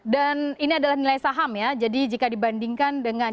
dan ini adalah nilai saham ya jadi jika dibandingkan dengan